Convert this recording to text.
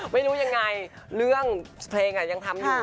ไม่รู้ยังไงเรื่องเพลงยังทำอยู่